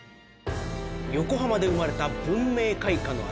横浜で生まれた文明開化の味